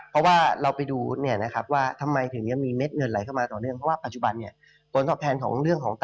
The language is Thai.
เพราะว่าเราไปดูเนี่ยครับว่าทำไมถึงยังมีเม็ดเงินไหลเข้ามาต่อเนื่อง